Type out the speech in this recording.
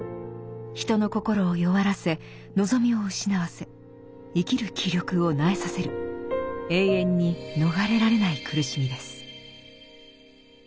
人の心を弱らせ望みを失わせ生きる気力を萎えさせる永遠に逃れられない苦しみです。